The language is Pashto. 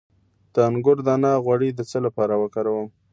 د انګور دانه غوړي د څه لپاره وکاروم؟